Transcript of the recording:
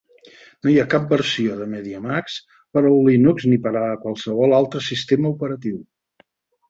No hi ha cap versió de MediaMax per al Linux ni per a qualsevol altre sistema operatiu.